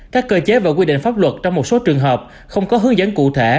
các cơ chế và quy định pháp luật trong một số trường hợp không có hướng dẫn cụ thể